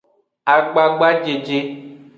Agbagbajeje.